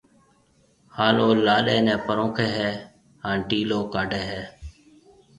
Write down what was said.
ھان او لاڏَي نيَ پرونکيَ ھيََََ ھان ٽِيلو ڪاڊھيََََ ھيََََ